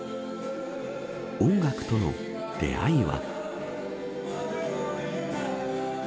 音楽との出会いは。